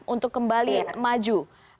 untuk kembali maju